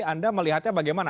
anda melihatnya bagaimana